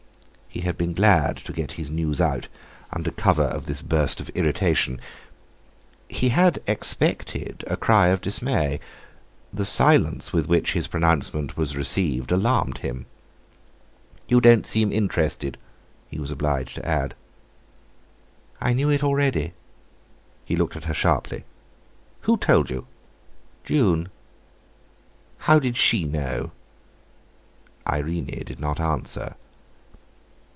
He had been glad to get his news out under cover of this burst of irritation. He had expected a cry of dismay; the silence with which his pronouncement was received alarmed him. "You don't seem interested," he was obliged to add. "I knew it already." He looked at her sharply. "Who told you?" "June." "How did she know?" Irene did not answer.